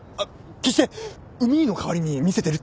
決して海兄の代わりに見せてるってわけじゃ。